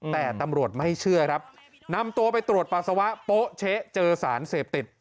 แต่ตำรวจไม่เชื่อครับนำตัวไปตรวจปัสสาวะโป๊ะเช๊เจอสารเสพติด